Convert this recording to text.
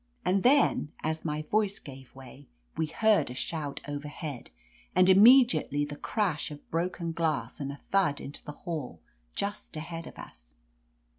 And then, as my voice gave way, we heard a shout overhead, and immediately the crash of broken glass and a thud into the hall just ahead of us.